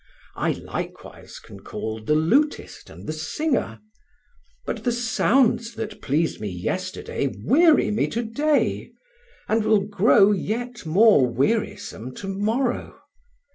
I likewise can call the lutist and the singer; but the sounds that pleased me yesterday weary me to day, and will grow yet more wearisome to morrow.